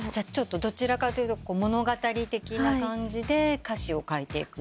どちらかというと物語的な感じで歌詞を書いていく方が。